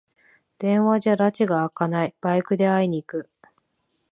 電話じゃらちがあかない、バイクで会いに行く